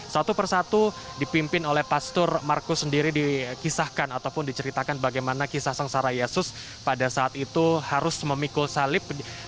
satu persatu dipimpin oleh pastur markus sendiri dikisahkan ataupun diceritakan bagaimana kisah sengsara yesus pada saat itu harus memikul salib